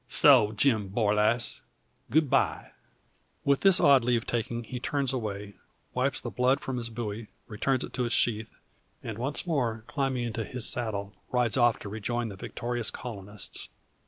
So, Jim Borlasse, good bye!" With this odd leave taking, he turns away, wipes the blood from his bowie, returns it to its sheath, and once more climbing into his saddle, rides off to rejoin the victorious colonists.